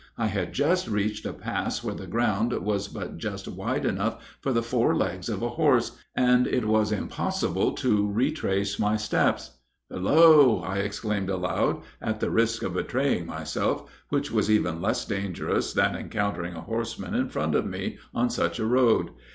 I had just reached a pass where the ground was but just wide enough for the four legs of a horse, and it was impossible to retrace my steps." "'Hallo!' I exclaimed aloud, at the risk of betraying myself, which was even less dangerous than encountering a horseman in front of me on such a road.